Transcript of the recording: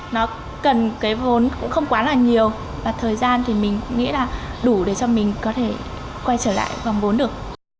nó cần cái vốn cũng không quá là nhiều và thời gian thì mình nghĩ là đủ để cho mình có thể quay trở lại dòng vốn được